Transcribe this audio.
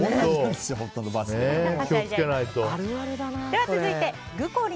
では、続いて。